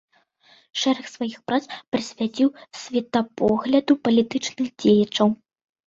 Шэраг сваіх прац прысвяціў светапогляду палітычных дзеячаў.